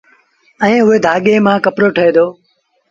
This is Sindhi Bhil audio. ائيٚݩ اُئي ڌآڳي مآݩ ڪپڙو ٺهي دو